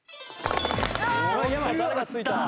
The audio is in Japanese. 誰がついた？